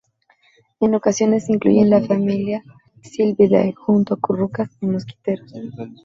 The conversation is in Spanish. En ocasiones se incluye en la familia Sylviidae junto a currucas y mosquiteros.